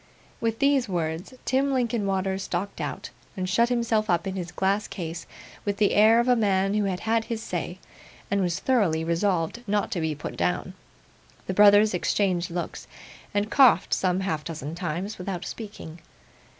With these words, Tim Linkinwater stalked out, and shut himself up in his glass case, with the air of a man who had had his say, and was thoroughly resolved not to be put down. The brothers interchanged looks, and coughed some half dozen times without speaking.